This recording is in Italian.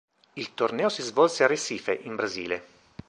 Il torneo si svolse a Recife, in Brasile.